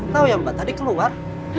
tahu ya mbak tadi keluar